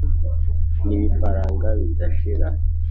n’ibifaranga bidashira